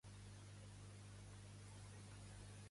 I quan és que s'abillen amb robes tradicionals jueves?